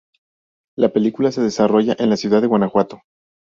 La película se desarrolla en la ciudad de Guanajuato.